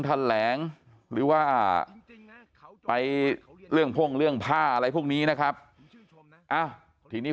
แถลงหรือว่าไปเรื่องพ่งเรื่องผ้าอะไรพวกนี้นะครับทีนี้